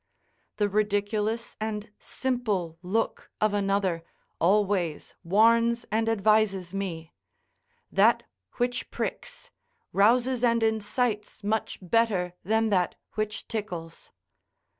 The ridiculous and simple look of another always warns and advises me; that which pricks, rouses and incites much better than that which tickles.